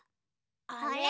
あれ？